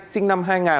sinh năm hai nghìn